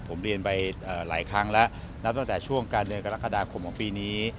ผมเรียนไปหลายครั้งแล้วนับตั้งแต่ช่วงกลางเดือนกรกฎาคมของปีนี้